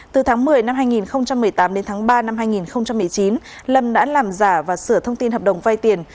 từ tháng một mươi năm hai nghìn một mươi tám đến tháng ba năm hai nghìn một mươi chín lâm đã làm giả và sửa thông tin hợp đồng vay tiền